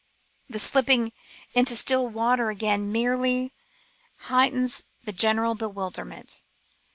The slipping into still water again merely 136 CALMS AND SEAS. heightens the general bewilderment.